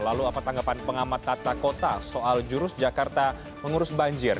lalu apa tanggapan pengamat tata kota soal jurus jakarta mengurus banjir